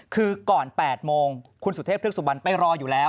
คือก่อน๘โมงคุณสุเทพเทือกสุบันไปรออยู่แล้ว